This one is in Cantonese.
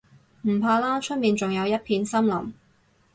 唔怕啦，出面仲有一片森林